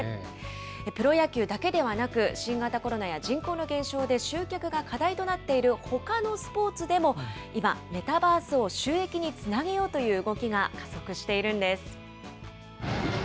プロ野球だけではなく、新型コロナや人口の減少で集客が課題となっているほかのスポーツでも今、メタバースを収益につなげようという動きが加速しているんです。